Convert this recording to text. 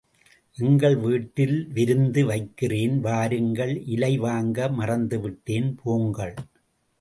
எங்கள் வீட்டில் விருந்து வைக்கிறேன் வாருங்கள் இலை வாங்க மறந்துவிட்டேன் போங்கள்.